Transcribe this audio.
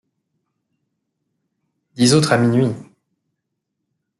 Dix autres à minuit!